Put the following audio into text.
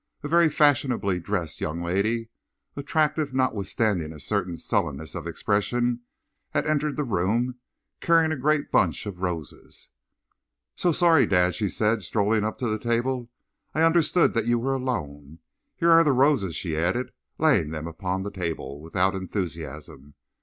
A very fashionably dressed young lady, attractive notwithstanding a certain sullenness of expression, had entered the room carrying a great bunch of roses. "So sorry, dad," she said, strolling up to the table. "I understood that you were alone. Here are the roses," she added, laying them upon the table without enthusiasm.